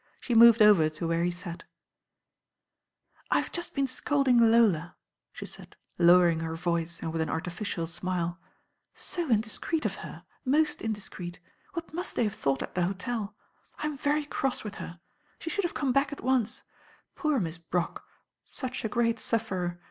She moved over to where he sat. t86 THE RAm OIRL I ve just been scolding Lda," she said, lowering her voice and with an artificial smile; "so indiscreet of her. Most indiscreet. What must they have thought at the hotel. I'm very cross with her. She should have come hack at once. Poor Miss Brock. Such a great sufferer.